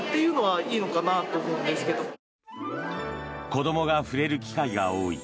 子どもが触れる機会が多い